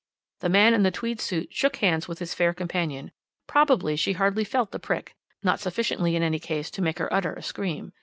The man in the tweed suit shook hands with his fair companion probably she hardly felt the prick, not sufficiently in any case to make her utter a scream.